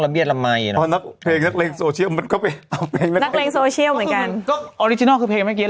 เขามีได้แต่งเพลงเลยอ่ะ